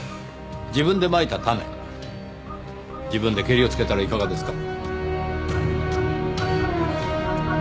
自分でまいた種自分でケリをつけたらいかがですか？